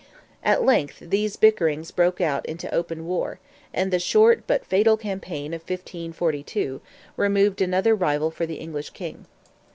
At length these bickerings broke out into open war, and the short, but fatal campaign of 1542, removed another rival for the English King.